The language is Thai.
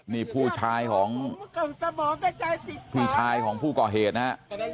นี่ผู้ชายของพี่ชายของผู้ก่อเหตุนะฮะ